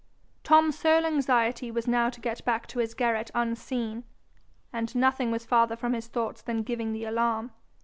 Tom's sole anxiety was now to get back to his garret unseen, and nothing was farther from his thoughts than giving the alarm.